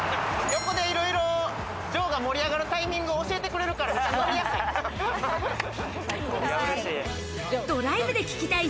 横でいろいろ、丈が盛り上がるタイミングを教えてくれるから、ノリやすい！